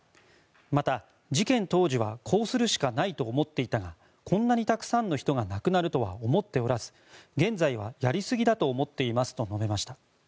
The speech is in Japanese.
また、事件当時はこうするしかないと思っていたがこんなにたくさんの人が亡くなるとは思っておらず現在はやりすぎだと思っていますと述べました。